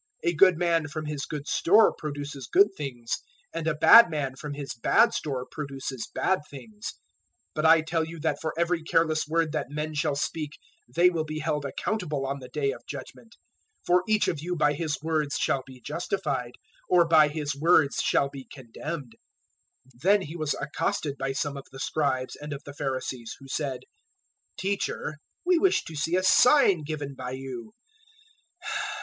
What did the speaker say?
012:035 A good man from his good store produces good things, and a bad man from his bad store produces bad things. 012:036 But I tell you that for every careless word that men shall speak they will be held accountable on the day of Judgement. 012:037 For each of you by his words shall be justified, or by his words shall be condemned." 012:038 Then He was accosted by some of the Scribes and of the Pharisees who said, "Teacher, we wish to see a sign given by you."